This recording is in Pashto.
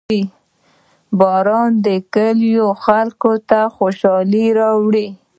• باران د کلیو خلکو ته خوشحالي راوړي.